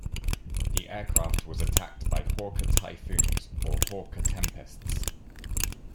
The aircraft was attacked by Hawker Typhoons, or Hawker Tempests.